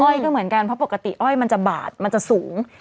อยก็เหมือนกันเพราะปกติอ้อยมันจะบาดมันจะสูง